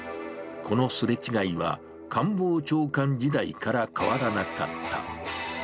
このすれ違いは、官房長官時代から変わらなかった。